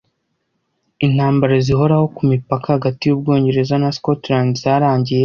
Intambara zihoraho ku mipaka hagati y'Ubwongereza na Scotland zarangiye.